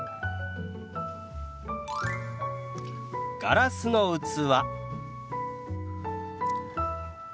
「ガラスの器」。